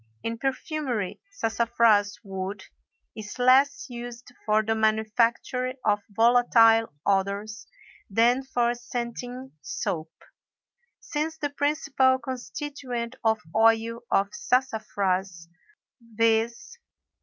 In perfumery sassafras wood is less used for the manufacture of volatile odors than for scenting soap. Since the principal constituent of oil of sassafras, viz.